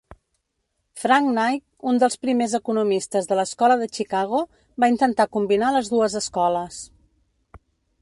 Frank Knight, un dels primers economistes de l'Escola de Chicago, va intentar combinar les dues escoles.